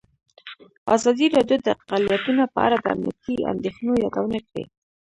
ازادي راډیو د اقلیتونه په اړه د امنیتي اندېښنو یادونه کړې.